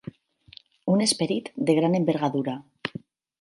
Un esperit de gran envergadura.